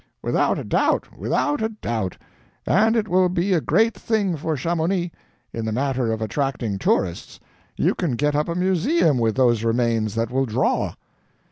"Without a doubt, without a doubt. And it will be a great thing for Chamonix, in the matter of attracting tourists. You can get up a museum with those remains that will draw!"